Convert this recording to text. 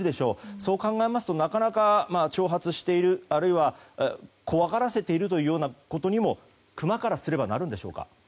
そう考えますとなかなか挑発している怖がらせているというようなことにもクマからすればなるんでしょうか？